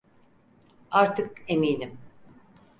Artık eminim.